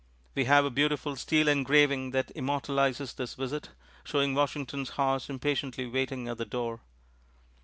We have a beautiful steel engraving that immortalizes this visit, showing Washington's horse impatiently waiting at the door.